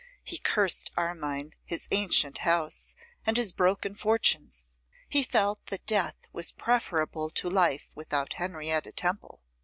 He cursed Armine, his ancient house, and his broken fortunes. He felt that death was preferable to life without Henrietta Temple.